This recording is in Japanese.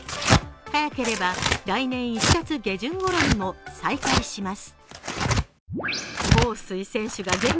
早ければ来年１月下旬ごろにも再開します。